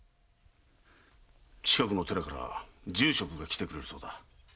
近くの寺から住職が来てくれるそうだ。